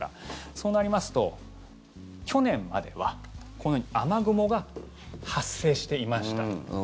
そうなりますと、去年まではこのように雨雲が発生していました。